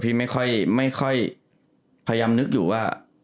พี่ไม่ค่อยพยายามนึกอยู่ว่า